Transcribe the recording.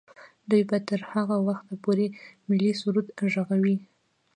دوی به تر هغه وخته پورې ملي سرود ږغوي.